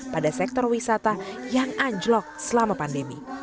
pada sektor wisata yang anjlok selama pandemi